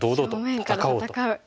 正面から戦う。